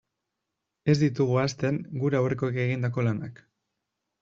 Ez ditugu ahazten gure aurrekoek egindako lanak.